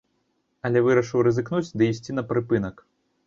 Але вырашыў рызыкнуць ды ісці на прыпынак.